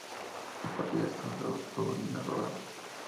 A partir de entonces todo vino rodado.